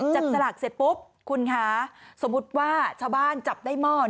จับสลากเสร็จปุ๊บคุณคะสมมุติว่าชาวบ้านจับได้หม้อ